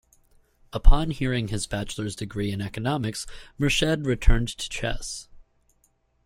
Upon earning his bachelor's degree in economics, Murshed returned to chess.